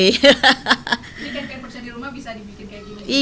ini kayak percaya di rumah bisa dibikin kayak gini